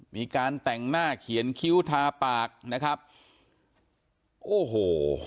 มีการแต่งหน้าเขียนคิ้วทาปากนะครับโอ้โห